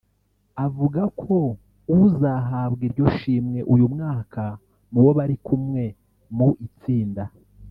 Avuga ko uzahabwa iryo shimwe uyu mwaka mu bo bari kumwe mu itsinda